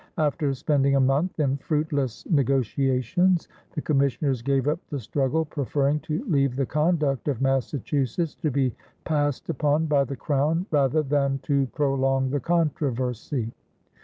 After spending a month in fruitless negotiations, the commissioners gave up the struggle, preferring to leave the conduct of Massachusetts to be passed upon by the Crown rather than to prolong the controversy.